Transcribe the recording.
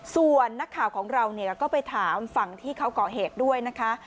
ส่วนนักข่าวของเราก็ไปถามฝั่งที่เขาก่อเหตุด้วยนะคะ